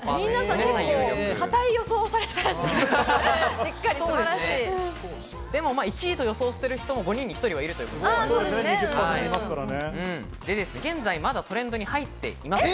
皆さん、かたい予想をされて１位と予想している人も５人に１人はいるということで、現在まだトレンドに入っていません。